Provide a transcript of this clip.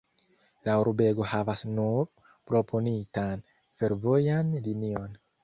La urbego havas nur proponitan fervojan linion.